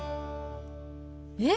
えっ！